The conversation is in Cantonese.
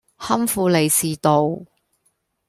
堪富利士道